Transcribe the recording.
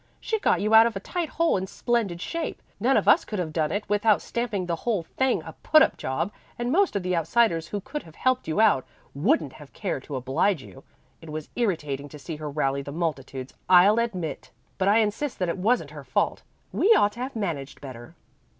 She got you out of a tight hole in splendid shape. None of us could have done it without stamping the whole thing a put up job, and most of the outsiders who could have helped you out, wouldn't have cared to oblige you. It was irritating to see her rallying the multitudes, I'll admit; but I insist that it wasn't her fault. We ought to have managed better."